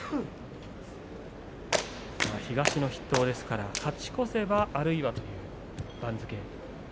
東の筆頭ですから勝ち越せばあるいはというそういう番付です。